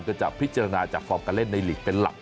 ก็จะพิจารณาจากฟอร์มการเล่นในหลีกเป็นหลัก